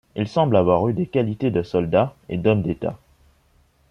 Il semble avoir eu des qualités de soldat et d'homme d'État.